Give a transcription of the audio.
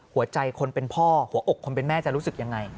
หัวใจคนเป็นพ่อหัวอกคนเป็นแม่จะรู้สึกยังไง